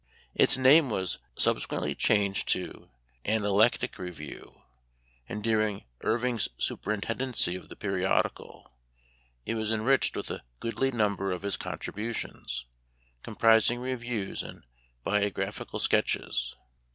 Its name was subse quently changed to " Analectic Review ;" and, during Irving' s superintendency of the periodi cal, it was enriched with a goodly number of his contributions, comprising reviews and biographi cal sketches.